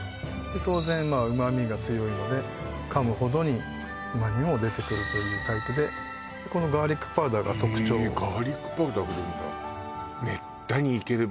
当然旨みが強いので噛むほどに旨みも出てくるというタイプでこのガーリックパウダーが特徴へえガーリックパウダー振るんだ